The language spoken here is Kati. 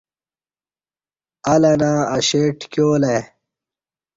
ال انہ اشی ٹکیالہ ای